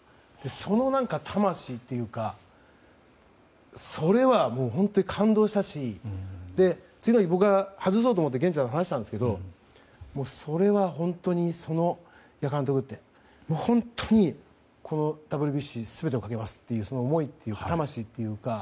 その魂というかそれは感動したし次の日、僕は外そうと思って源ちゃんと話したんですが監督、本当にこのＷＢＣに全てをかけますというその思いというか魂というか。